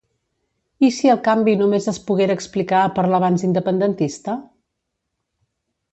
I si el canvi només es poguera explicar per l'avanç independentista?